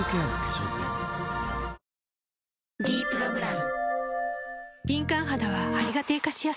「ｄプログラム」